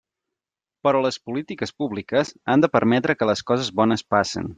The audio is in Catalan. Però les polítiques públiques han de permetre que les coses bones passen.